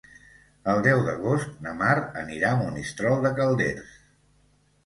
El deu d'agost na Mar anirà a Monistrol de Calders.